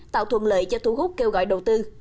tạo thuận lợi cho thu hút kêu gọi đầu tư